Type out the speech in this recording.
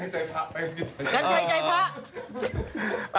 ฉันชัยใจพระ